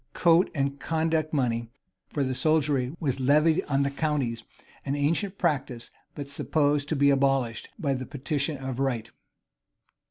Coat and conduct money for the soldiery was levied on the counties; an ancient practice,[] but supposed to be abolished by the petition of right.